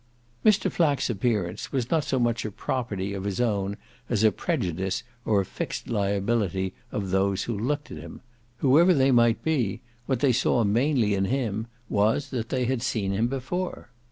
Mr. Flack's appearance was not so much a property of his own as a prejudice or a fixed liability of those who looked at him: whoever they might be what they saw mainly in him was that they had seen him before.